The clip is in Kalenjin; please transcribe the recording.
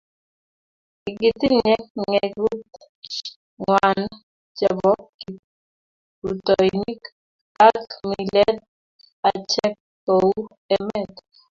kikitinye ngekut angwan chebo kiprutoinik ak milet achek kou emet